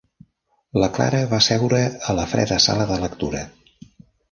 La Clara va seure a la freda sala de lectura.